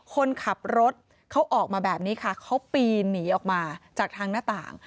คนขับรถเขาออกมาแบบนี้ค่ะเขาปีนหนีออกมาจากทางหน้าต่าง